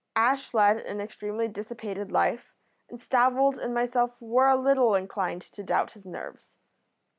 Ash led an extremely dissipated life, and Stavold and myself were a little inclined to doubt his nerves.